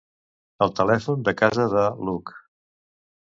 El telèfon de casa de l'Hug.